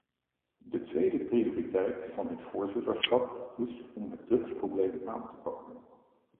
De tweede prioriteit van het voorzitterschap is om het drugsprobleem aan te pakken.